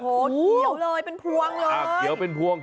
โอ้โหเขียวเลยเป็นพวงเลย